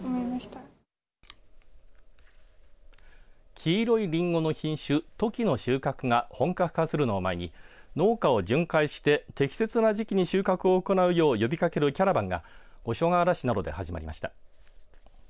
黄色いリンゴの品種トキの収穫が本格化するのを前に農家を巡回して適切な時期に収穫を行うよう呼びかけるキャラバンが五所川原市などで始まりました。